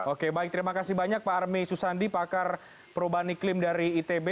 oke baik terima kasih banyak pak armi susandi pakar perubahan iklim dari itb